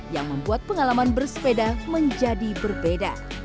yang membuat pengalaman bersepeda menjadi berbeda